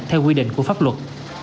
theo quy định của pháp luật